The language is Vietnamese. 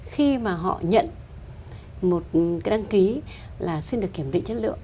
khi mà họ nhận một cái đăng ký là xin được kiểm định chất lượng